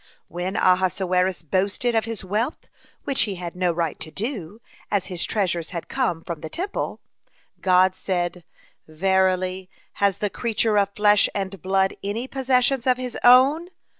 (9) When Ahasuerus boasted of his wealth, which he had no right to do, as his treasures had come from the Temple, God said: "Verily, has the creature of flesh and blood any possessions of his own?